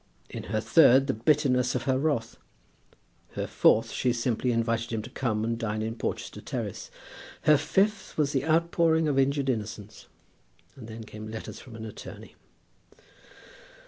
In her third the bitterness of her wrath. Her fourth she simply invited him to come and dine in Porchester Terrace. Her fifth was the outpouring of injured innocence. And then came letters from an attorney.